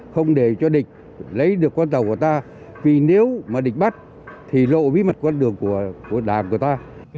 không để cho địch lấy được con tàu của ta vì nếu mà địch bắt thì rộ bí mật con đường của đảng của ta